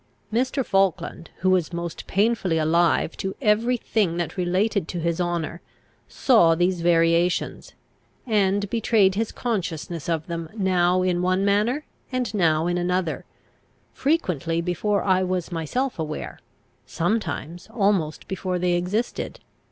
Mr. Falkland, who was most painfully alive to every thing that related to his honour, saw these variations, and betrayed his consciousness of them now in one manner, and now in another, frequently before I was myself aware, sometimes almost before they existed.